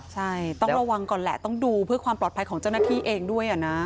ใช่ต้องระวังก่อนแหละต้องดูเพื่อความปลอดภัยของเจ้าหน้าที่เองด้วยนะ